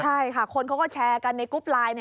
ใช่ค่ะคนเขาก็แชร์กันในกรุ๊ปไลน์